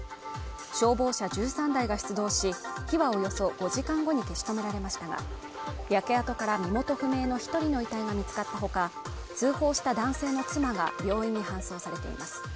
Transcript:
消防車１３台が出動し火はおよそ５時間後に消し止められましたが焼け跡から身元不明の一人の遺体が見つかったほか通報した男性の妻が病院に搬送されています